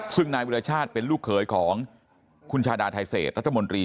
ซึ่งนายวิรชาติเป็นลูกเขยของคุณชาดาไทเศษรัฐมนตรี